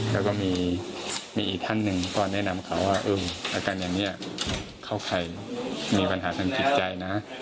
แล้วก็มีอีกท่านหนึ่งก็แนะนำเขาว่าอาการอย่างนี้เข้าใครมีปัญหาทางจิตใจนะ